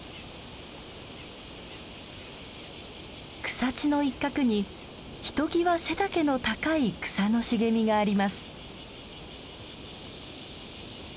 草地の一角にひときわ背丈の高い草の茂みがあります。